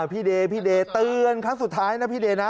พี่เดพี่เดเตือนครั้งสุดท้ายนะพี่เดชา